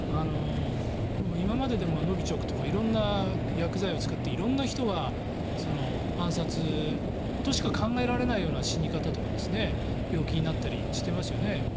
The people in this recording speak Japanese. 今まででもノビチョクとか色んな薬剤を使って色んな人が暗殺としか考えられないような死に方とか病気になったりしていますよね。